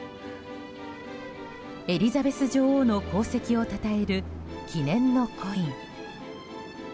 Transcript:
エリザベス女王の功績をたたえる記念のコイン。